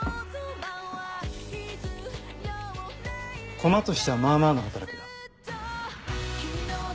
コマとしてはまあまあの働きだ。